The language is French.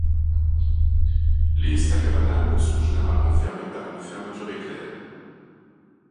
Les sacs bananes sont généralement fermés par une fermeture Éclair.